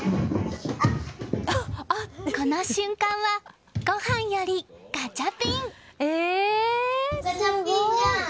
この瞬間はごはんよりガチャピン！